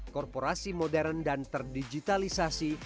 korporasi modern dan terdigitalisasi